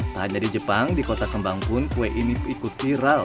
tak hanya di jepang di kota kembang pun kue ini ikut viral